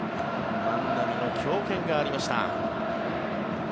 万波の強肩がありました。